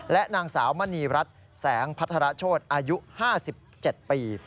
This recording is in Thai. และนางสาวมณีรัฐแสงพัทรโชธอายุ๕๗ปี